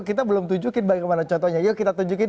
kita belum tunjukin bagaimana contohnya yuk kita tunjukin